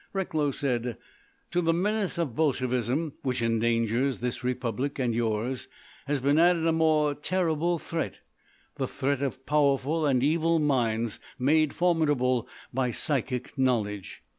Recklow said: "To the menace of Bolshevism, which endangers this Republic and yours, has been added a more terrible threat—the threat of powerful and evil minds made formidable by psychic knowledge.